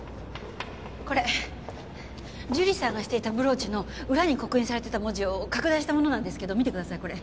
これ樹里さんがしていたブローチの裏に刻印されていた文字を拡大したものなんですけど見てくださいこれ。